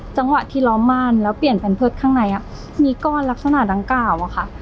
จังหวะที่ล้อมม่านแล้วเปลี่ยนแพนเพิร์ตข้างในมีก้อนลักษณะดังกล่าวอะค่ะ